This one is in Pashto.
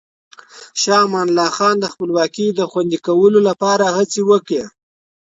شاه امان الله خان د خپلواکۍ د خوندي کولو لپاره هڅې وکړې.